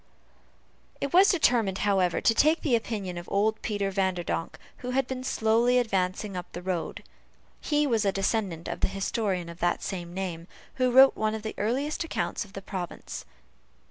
It was determined, however, to take the opinion of old Peter Vanderdonk, who was seen slowly advancing up the road. He was a descendant of the historian of that name, who wrote one of the earliest accounts of the province.